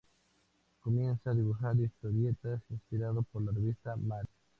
Comienza a dibujar historietas inspirado por la revista Mad.